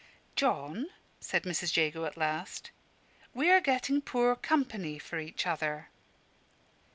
"John," said Mrs. Jago at last, "we are getting poor company for each other.